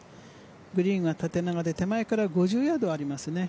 グリーンは縦長で手前から５０ヤードありますね。